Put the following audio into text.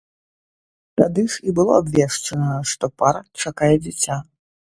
Тады ж і было абвешчана, што пара чакае дзіця.